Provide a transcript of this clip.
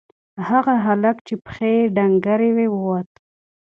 هغه هلک چې پښې یې ډنگرې دي ووت.